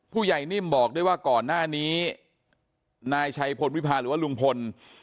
นิ่มบอกด้วยว่าก่อนหน้านี้นายชัยพลวิพาหรือว่าลุงพล